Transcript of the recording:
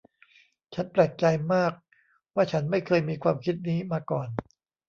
ฉันแปลกใจมากว่าฉันไม่เคยมีความคิดนี้มาก่อน